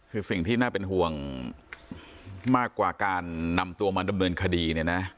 คือสิ่งที่น่าเป็นห่วงมากกว่าการนำตัวมาดำเนินคดีเนี่ยนะ